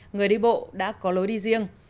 người đi bộ đã có lối đi riêng